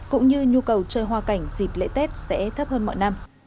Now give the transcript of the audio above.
cũng như nhu cầu chơi hoa cảnh dịp lễ tết sẽ thấp hơn mọi năm